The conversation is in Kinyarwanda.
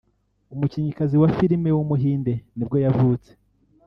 umukinnyikazi wa filime w’umuhinde nibwo yavutse